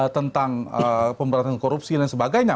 tentang pemberantasan korupsi dan sebagainya